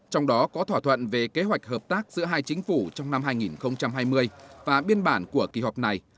trong đó có thỏa thuận về kế hoạch hợp tác giữa hai chính phủ trong năm hai nghìn hai mươi và biên bản của kỳ họp này